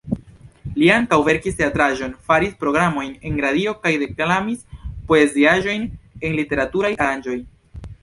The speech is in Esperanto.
Li ankaŭ verkis teatraĵon, faris programojn en radio kaj deklamis poeziaĵojn en literaturaj aranĝoj.